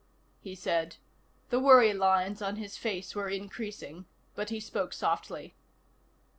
he said. The worry lines on his face were increasing, but he spoke softly.